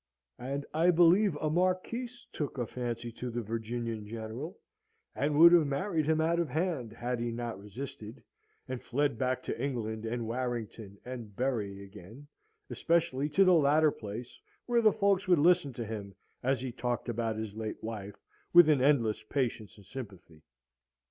And I believe a Marquise took a fancy to the Virginian General, and would have married him out of hand, had he not resisted, and fled back to England and Warrington and Bury again, especially to the latter place, where the folks would listen to him as he talked about his late wife, with an endless patience and sympathy.